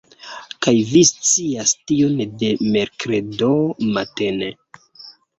Kaj vi scias tion de merkredo matene!